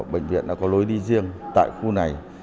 bệnh viện đã có lối đi riêng tại khu này